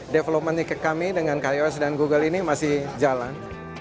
developmentnya ke kami dengan kaios dan google ini masih jalan